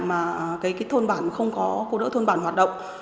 mà cái thôn bản không có cô đỡ thôn bản hoạt động